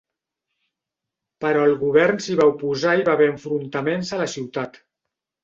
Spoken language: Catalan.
Però el govern s'hi va oposar i hi va haver enfrontaments a la ciutat.